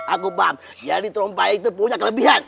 aku paham jadi trompa itu punya kelebihan